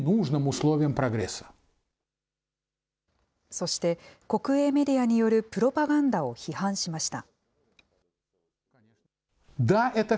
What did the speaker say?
そして、国営メディアによるプロパガンダを批判しました。